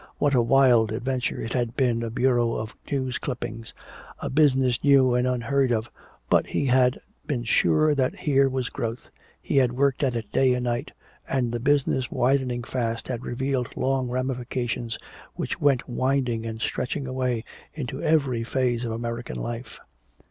What a wild adventure it had been a bureau of news clippings, a business new and unheard of but he had been sure that here was growth, he had worked at it day and night, and the business widening fast had revealed long ramifications which went winding and stretching away into every phase of American life.